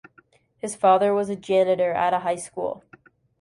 His father was a janitor at a high school.